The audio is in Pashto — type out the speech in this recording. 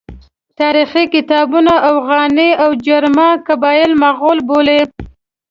تاریخي کتابونه اوغاني او جرما قبایل مغول بولي.